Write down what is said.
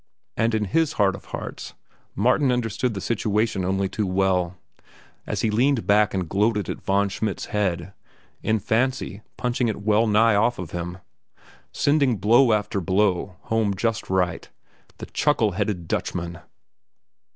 And in his heart of hearts Martin understood the situation only too well, as he leaned back and gloated at Von Schmidt's head, in fancy punching it well nigh off of him, sending blow after blow home just right—the chuckle headed Dutchman!